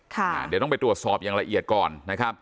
เดี๋ยวต้องไปตรวจสอบอย่างละเอียดก่อนนะครับ